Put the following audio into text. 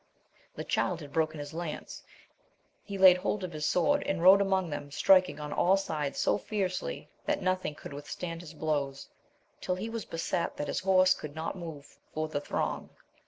The Child had broken his lance ; he laid hold of his sword, and rode among them, striking on aU sides so fiercely that nothing could withstand his blows, till he was beset that his horse could not move for the throng.